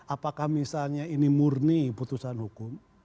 apakah misalnya ini murni putusan hukum